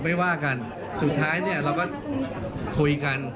ไม่ว่ากันสุดท้ายเนี่ยเราก็คุยกัน